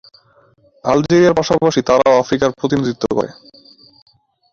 আলজেরিয়ার পাশাপাশি তারাও আফ্রিকার প্রতিনিধিত্ব করে।